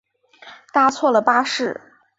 搭错了巴士